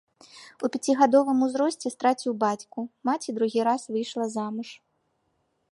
У пяцігадовым узросце страціў бацьку, маці другі раз выйшла замуж.